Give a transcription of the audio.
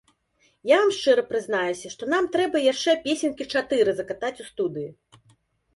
Я вам шчыра прызнаюся, што нам трэба яшчэ песенькі чатыры закатаць у студыі.